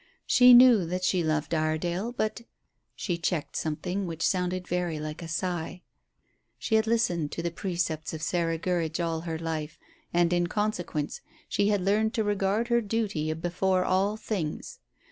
She knew that she loved Iredale, but she checked something which sounded very like a sigh. She had listened to the precepts of Sarah Gurridge all her life, and, in consequence, she had learned to regard her duty before all things.